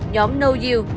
nhóm no you